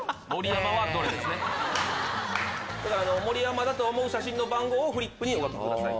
盛山だと思う写真の番号をフリップにお書きください。